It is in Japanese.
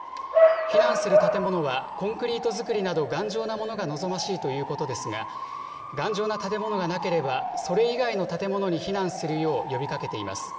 避難する建物は、コンクリート造りなど、頑丈なものが望ましいということですが、頑丈な建物がなければ、それ以外の建物に避難するよう呼びかけています。